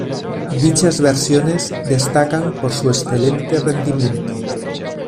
Dichas versiones destacan por su excelente rendimiento.